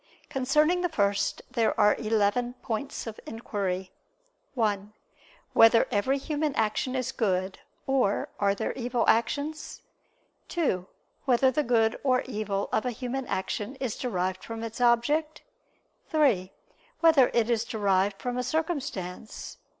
Concerning the first there are eleven points of inquiry: (1) Whether every human action is good, or are there evil actions? (2) Whether the good or evil of a human action is derived from its object? (3) Whether it is derived from a circumstance?